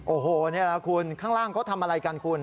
โอ้โหนี่แหละคุณข้างล่างเขาทำอะไรกันคุณ